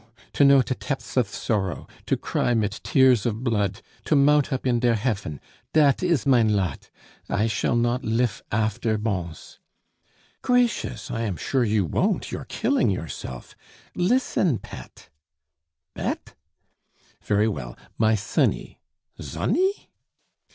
To know de tepths of sorrow, to cry mit tears of blood, to mount up in der hefn dat is mein lot! I shall not lif after Bons " "Gracious! I am sure you won't, you are killing yourself. Listen, pet!" "Bet?" "Very well, my sonny " "Zonny?"